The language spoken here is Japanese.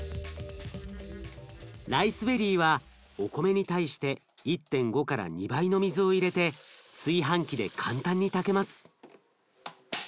ライスベリーはお米に対して１．５から２倍の水を入れて炊飯器で簡単に炊けます。